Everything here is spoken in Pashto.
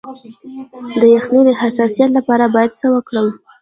د یخنۍ د حساسیت لپاره باید څه وکړم؟